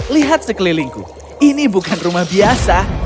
lihat sekelilingku ini bukan rumah biasa